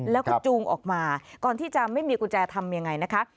แล้วก็จูงออกมาก่อนที่จะไม่มีกุญแจทำยังไงนะคะ